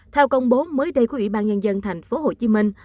theo công bố mới đây của ủy ban nhân dân thành phố hồ chí minh